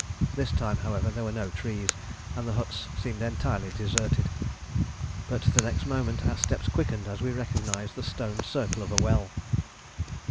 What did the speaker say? This time, however, there were no trees, and the huts seemed entirely deserted; but next moment our steps quickened as we recognised the stone circle of a well.